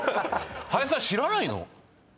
林さん知らないの？